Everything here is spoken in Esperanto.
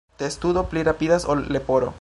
Testudo pli rapidas ol leporo.